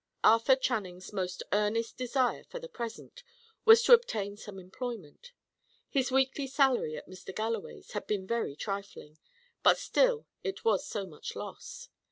Arthur Channing's most earnest desire, for the present, was to obtain some employment. His weekly salary at Mr. Galloway's had been very trifling; but still it was so much loss.